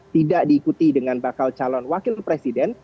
tidak diikuti dengan bakal calon wakil presiden